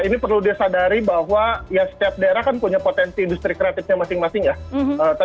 ini perlu disadari bahwa ya setiap daerah kan punya potensi industri kreatifnya masing masing ya